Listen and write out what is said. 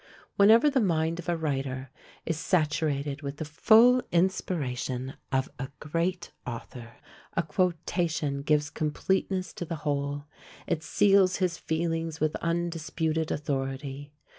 Whenever the mind of a writer is saturated with the full inspiration of a great author, a quotation gives completeness to the whole; it seals his feelings with undisputed authority.